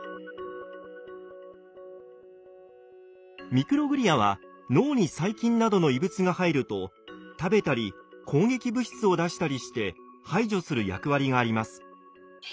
ミクログリアは脳に細菌などの異物が入ると食べたり攻撃物質を出したりして排除する役割があります。